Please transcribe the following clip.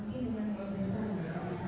tidak ada dengan saya